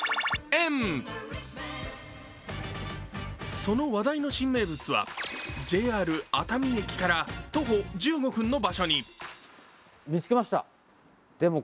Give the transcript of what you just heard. その話題の新名物はＪＲ熱海駅から徒歩１５分の場所に。